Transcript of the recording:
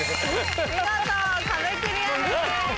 見事壁クリアです。